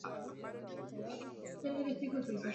wakiwepo wakali wengine akiwemo jokovich